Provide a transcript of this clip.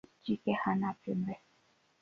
Jike hana pembe.